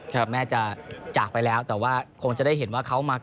แม่จะจากไปแล้วแต่ว่าคงจะได้เห็นว่าเขามา